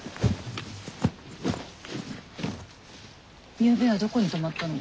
ゆうべはどこに泊まったの？